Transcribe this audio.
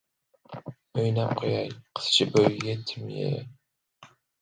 — O‘ynab qo‘yay, qizchi bo‘yi yetdimi-ye?